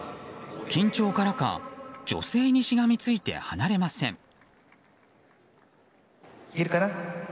緊張からか女性にしがみついて離れません。